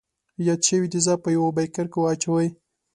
یاد شوي تیزاب په یوه بیکر کې واچوئ.